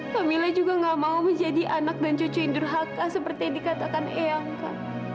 kamila juga nggak mau menjadi anak dan cucu indurhaka seperti yang dikatakan eyangka